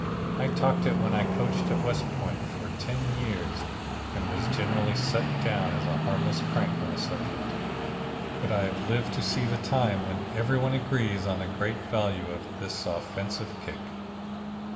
I talked it when I coached at West Point for ten years and was generally set down as a harmless crank on the subject, but I have lived to see the time when every one agrees on the great value of this offensive kick.